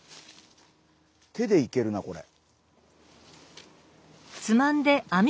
手でいけるなこれ。